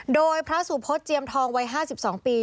โดยพระสุพศเจียมทองวัย๕๒ปี